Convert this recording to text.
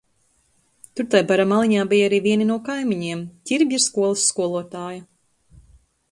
Tur tai bara maliņā bija arī vieni no kaimiņiem – Ķirbja skolas skolotāja.